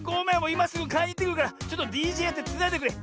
いますぐかいにいってくるからちょっとＤＪやってつないでてくれ。